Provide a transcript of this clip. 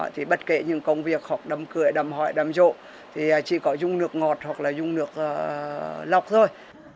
thì bất kể những công việc học đâm cười đâm hội đâm rộ thì chỉ có dùng nước ngọt hoặc dùng nước lọc thôi